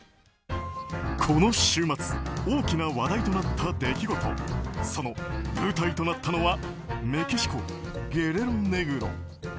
この週末大きな話題となった出来事その舞台となったのはメキシコ・ゲレロネグロ。